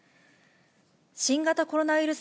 新型コロナウイルス